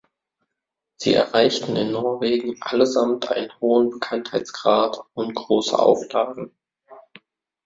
Sie erreichten in Norwegen allesamt einen hohen Bekanntheitsgrad und große Auflagen.